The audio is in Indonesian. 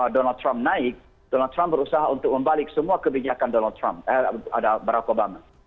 donald trump naik donald trump berusaha untuk membalik semua kebijakan barack obama